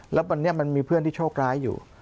แล้ววันนี้มันมีเพื่อนที่โชคร้ายอยู่